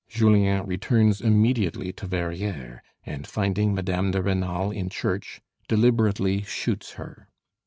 Julien returns immediately to Verrières, and finding Mme. de Rênal in church, deliberately shoots her.